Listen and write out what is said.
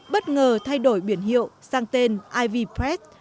bất ngờ thay đổi biển hiệu sang tên ivy press